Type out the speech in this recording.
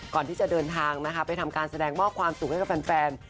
ก่อนที่จะเดินทางนะคะไปทำการแสดงมอบความสุขให้กับแฟน